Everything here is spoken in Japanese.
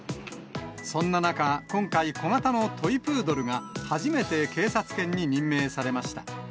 そんな中、今回、小型のトイプードルが初めて警察犬に任命されました。